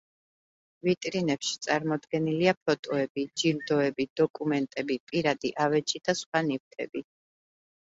ვიტრინებში წარმოდგენილია ფოტოები, ჯილდოები, დოკუმენტები, პირადი ავეჯი და სხვა ნივთები.